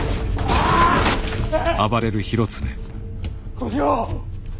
小四郎。